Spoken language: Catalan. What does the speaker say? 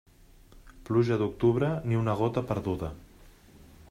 Pluja d'octubre, ni una gota perduda.